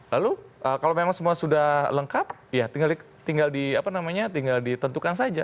lalu kalau memang semua sudah lengkap ya tinggal ditentukan saja